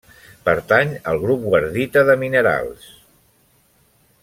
Pertany al grup wardita de minerals.